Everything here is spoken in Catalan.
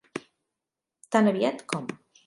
Tan aviat com.